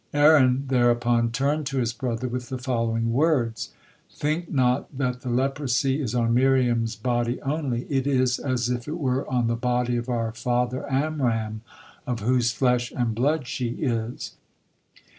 Aaron thereupon turned to his brother with the following words: "Think not that the leprosy is on Miriam's body only, it is as if it were on the body of our father Amram, of whose flesh and blood she is."